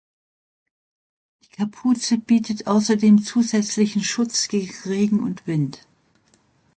Die Kapuze bietet außerdem zusätzlichen Schutz gegen Regen und Wind.